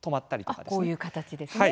あっこういう形ですね。